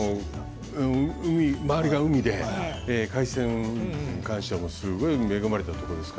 周りが海で海鮮に関してはすごく恵まれたところです。